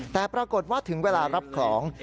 แต่ปรากฏว่าถึงเวลารับของ